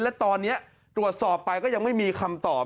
และตอนนี้ตรวจสอบไปก็ยังไม่มีคำตอบ